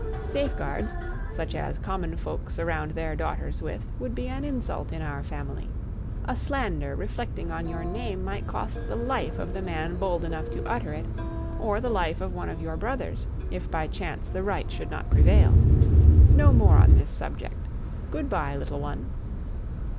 Safeguards, such as common folk surround their daughters with, would be an insult in our family. A slander reflecting on your name might cost the life of the man bold enough to utter it, or the life of one of your brothers, if by chance the right should not prevail. No more on this subject. Good bye, little one."